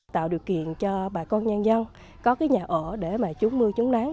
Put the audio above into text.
tạo điều kiện cho bà con nhanh nhanh có cái nhà ở để mà chút mưa chút nắng